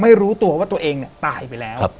ไม่รู้ตัวว่าตัวเองตายไปแล้ว